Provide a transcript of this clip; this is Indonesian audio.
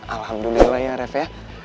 alhamdulillah ya ref ya